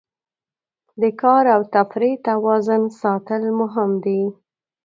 د کار او تفریح توازن ساتل مهم دي.